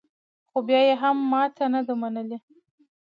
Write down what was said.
خو بیا یې هم ماته نه ده منلې